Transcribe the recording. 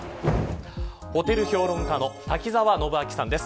ホテル評論家の瀧澤信秋さんです。